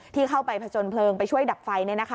ที่เข้าไปผจญเพลิงไปช่วยดับไฟ